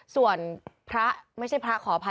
ส่วนพระไม่ใช่พระขออภัย